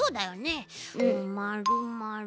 まるまる。